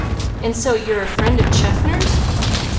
"And so you're a friend of Chaffner's?"